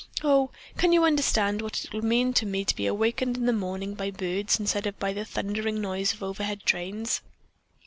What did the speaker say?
Oh, can you understand what it will mean to me to be awakened in the morning by birds instead of by the thundering noise of overhead trains?"